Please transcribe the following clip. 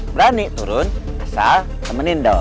berani turun asal temenin dong